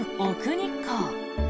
日光。